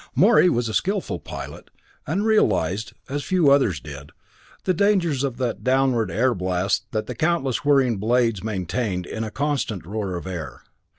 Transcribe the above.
Morey was a skillful pilot, and realized, as few others did, the dangers of that downward airblast that the countless whirring blades maintained in a constant roar of air.